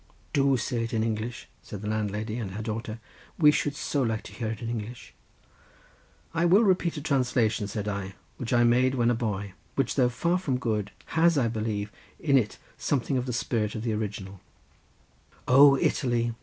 "Do say it in English," said the landlady and her daughter; "we should so like to hear it in English." "I will repeat a translation," said I, "which I made when a boy, which though far from good, has, I believe, in it something of the spirit of the original:— "'O Italy!